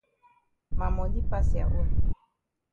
Ma moni pass ya own.